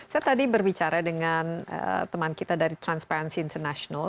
saya tadi berbicara dengan teman kita dari transparansi international